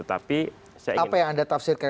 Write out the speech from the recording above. apa yang anda tafsirkan